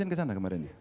ke sana kemarin